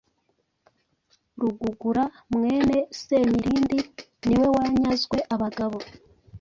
Rugugura mwene Semirindi niwe wanyazwe Abagabo